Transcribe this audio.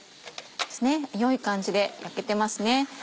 良い感じで焼けてますね。